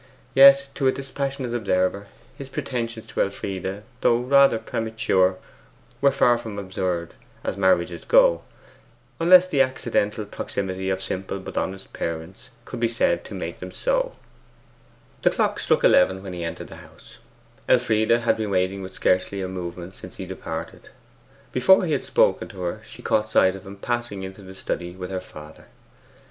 Yet to a dispassionate observer, his pretensions to Elfride, though rather premature, were far from absurd as marriages go, unless the accidental proximity of simple but honest parents could be said to make them so. The clock struck eleven when he entered the house. Elfride had been waiting with scarcely a movement since he departed. Before he had spoken to her she caught sight of him passing into the study with her father.